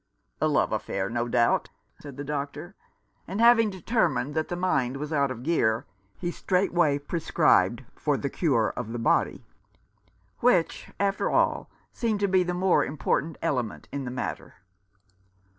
"A love affair, no doubt," said the doctor; and having determined that the mind was out of gear, he straightway prescribed for the cure of the body, 170 A Death blow. which, after all, seemed the more important element in the matter.